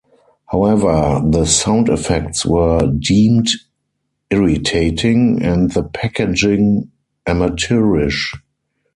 However, the sound effects were deemed irritating, and the packaging amateurish.